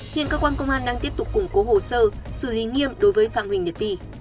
hiện cơ quan công an đang tiếp tục củng cố hồ sơ xử lý nghiêm đối với phạm huỳnh nhật vi